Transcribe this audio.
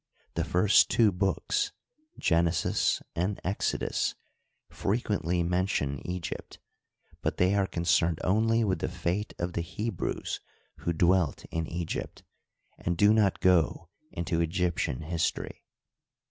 The first two books, Genesis and Exodus, frequently mention Egypt, but they are concerned only with the fate of the Hebrews who dwelt in Egypt, and do not go into Egyptian history.